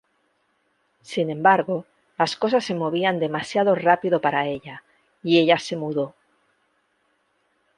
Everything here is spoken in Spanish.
Sin embargo, las cosas se movían demasiado rápido para ella, y ella se mudó.